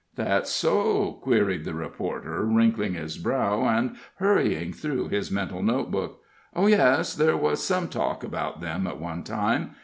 "That so!" queried the reporter, wrinkling his brow, and hurrying through his mental notebook. "Oh, yes there was some talk about them at one time.